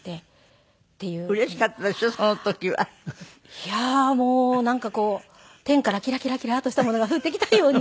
いやもうなんかこう天からキラキラキラッとしたものが降ってきたように。